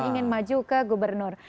ingin maju ke gubernur